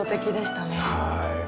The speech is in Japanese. はい。